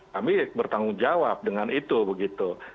kami bertanggung jawab dengan itu begitu